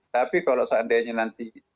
tapi kalau seandainya nanti